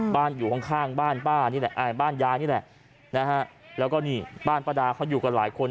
อยู่ข้างบ้านป้านี่แหละบ้านยายนี่แหละนะฮะแล้วก็นี่บ้านป้าดาเขาอยู่กันหลายคน